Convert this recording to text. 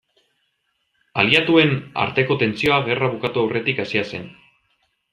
Aliatuen arteko tentsioa gerra bukatu aurretik hasia zen.